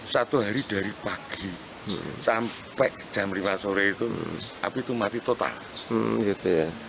satu hari dari pagi sampai jam lima sore itu api itu mati total gitu ya